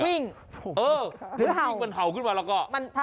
วิ่งห่าวมันพายหมดเลยมันห่าวขึ้นมาแล้วก็